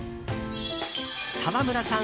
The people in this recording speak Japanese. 沢村さん